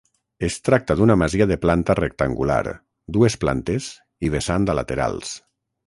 Es tracta d’una masia de planta rectangular, dues plantes i vessant a laterals.